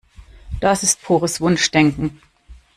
Das ist pures Wunschdenken.